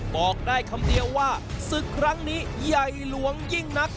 บอกได้คำเดียวว่าศึกครั้งนี้ใหญ่หลวงยิ่งนัก